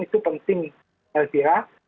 itu penting elvira